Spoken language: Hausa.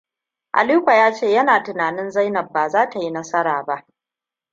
Alikoa ya ce yana tunanin Zainab ba zai yi nasara ba.